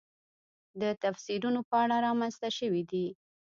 د تفسیرونو په اړه رامنځته شوې دي.